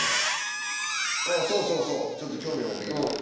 そうそうそうちょっと興味持って来た。